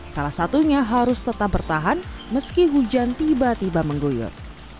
salah satunya harus tetap bertahan meski hujan tiba tiba mengguyur